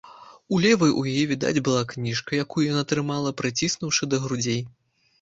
У левай у яе відаць была кніжка, якую яна трымала, прыціснуўшы да грудзей.